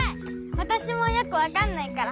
わたしもよくわかんないから。